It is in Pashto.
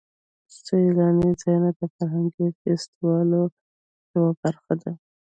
سیلاني ځایونه د فرهنګي فستیوالونو یوه برخه ده.